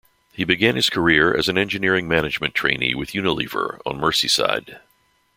He began his career as an Engineering Management Trainee with Unilever on Merseyside.